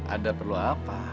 ada perlu apa